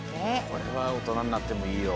これはおとなになってもいいよ。